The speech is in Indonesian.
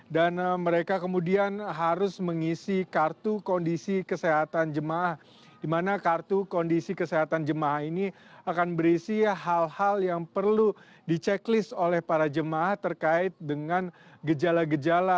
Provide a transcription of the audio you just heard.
dan mereka kemudian harus mengisi kartu kondisi kesehatan jemaah dimana kartu kondisi kesehatan jemaah ini akan berisi hal hal yang perlu diceklist oleh para jemaah terkait dengan gejala gejala